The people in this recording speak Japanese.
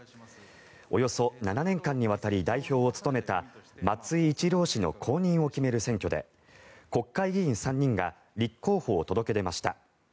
およそ７年間にわたり代表を務めた松井一郎氏の後任を決める選挙で国会議員３人が立候補を届け出ました。